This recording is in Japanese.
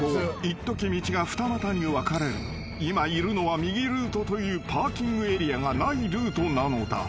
［今いるのは右ルートというパーキングエリアがないルートなのだ］